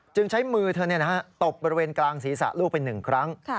จึงใช้มือเธอตบบริเวณกลางศีรษะลูกเป็นหนึ่งครั้ง